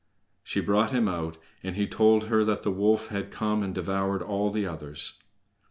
She brought him out, and he told her that the wolf had come and devoured all the others.